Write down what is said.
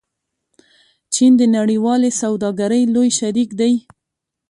چین د نړیوالې سوداګرۍ لوی شریک دی.